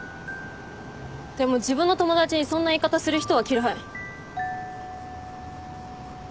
でも自分の友達にそんな言い方する人は嫌い。